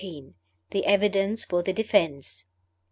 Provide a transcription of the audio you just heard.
THE EVIDENCE FOR THE DEFENSE.